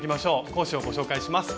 講師をご紹介します。